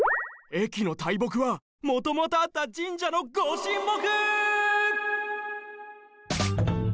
駅の大木はもともとあった神社のご神木！